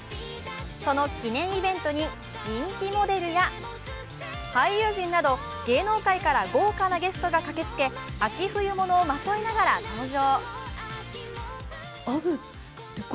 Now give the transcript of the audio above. その記念イベントに人気モデルや俳優陣など芸能界から豪華なゲストが駆けつけ秋冬物をまといながら登場。